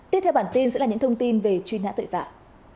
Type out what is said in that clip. tiếp theo bản tin sẽ là những thông tin về truy nã tội phạm